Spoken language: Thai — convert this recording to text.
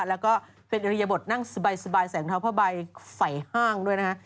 แล้วก็เป็นอริยบทนั่งสบายใส่รองเท้าผ้าใบไฝ่ห้างด้วยนะฮะ